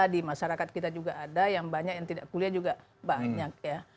di masyarakat kita juga ada yang banyak yang tidak kuliah juga banyak ya